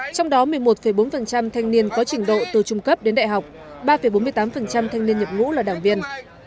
trong đó một mươi một bốn thanh niên có trình độ từ trung cấp đến đại học ba bốn mươi tám thanh niên nhập ngũ là đảng viên